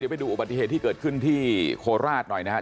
ไปดูอุบัติเหตุที่เกิดขึ้นที่โคราชหน่อยนะครับ